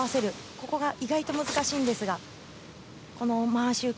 ここが意外と難しいんですが回し受け